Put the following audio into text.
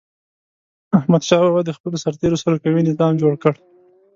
احمدشاه بابا د خپلو سرتېرو سره قوي نظام جوړ کړ.